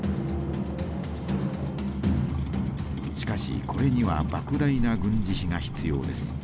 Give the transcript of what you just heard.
しかしこれには莫大な軍事費が必要です。